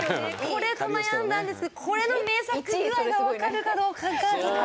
これと悩んだんですけどこれの名作具合がわかるかどうかが。